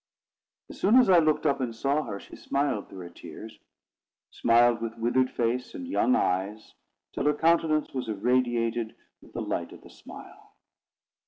As soon as I looked up and saw her, she smiled through her tears; smiled with withered face and young eyes, till her countenance was irradiated with the light of the smile.